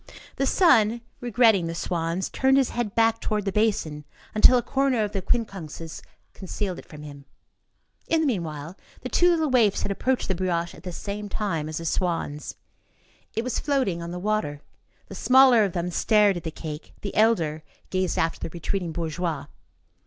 The son, regretting the swans, turned his head back toward the basin until a corner of the quincunxes concealed it from him. In the meanwhile, the two little waifs had approached the brioche at the same time as the swans. It was floating on the water. The smaller of them stared at the cake, the elder gazed after the retreating bourgeois.